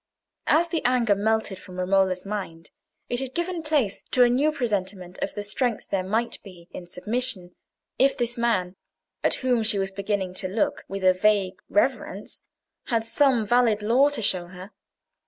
As the anger melted from Romola's mind, it had given place to a new presentiment of the strength there might be in submission, if this man, at whom she was beginning to look with a vague reverence, had some valid law to show her.